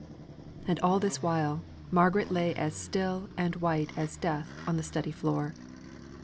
And all this while, Margaret lay as still and white as death on the study floor!